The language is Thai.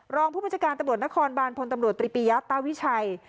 รองผู้บัญชาการตำรวจนครบานพลตำรวจตรีปียะตาวิชัย